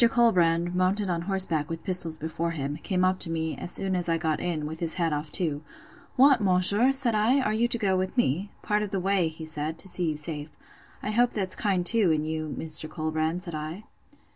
Colbrand, mounted on horseback, with pistols before him, came up to me, as soon as I got in, with his hat off too. What, monsieur! said I, are you to go with me?—Part of the way, he said, to see you safe. I hope that's kind too, in you, Mr. Colbrand, said I.